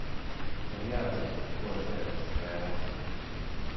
Man jāzina, ko es lieku uz spēles.